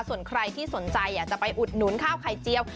ส่วนใครที่สนใจอยากจะไปอุดหนุนข้าวไข่เจียว